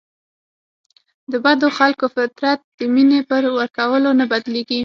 د بدو خلکو فطرت د مینې په ورکولو نه بدلیږي.